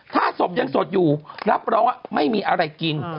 ถ้าศพยังสดอยู่รับรองว่าไม่มีอะไรกิน